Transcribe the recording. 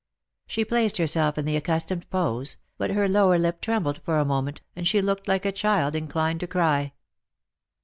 She placed herself in the accustomed pose, but her lower lip trembled for a moment, and she looked like a child inclined to cry.